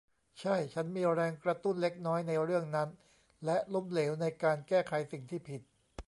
ใช่ฉันมีแรงกระตุ้นเล็กน้อยในเรื่องนั้นและล้มเหลวในการแก้ไขสิ่งที่ผิด